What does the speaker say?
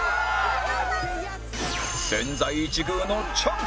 千載一遇のチャンス！